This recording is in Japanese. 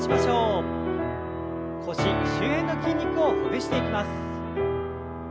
腰周辺の筋肉をほぐしていきます。